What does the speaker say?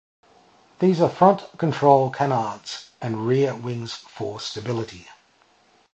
There are front control canards and rear wings for stability.